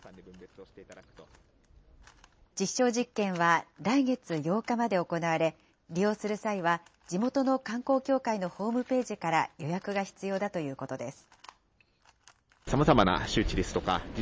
実証実験は来月８日まで行われ、利用する際は、地元の観光協会のホームページから予約が必要だということです。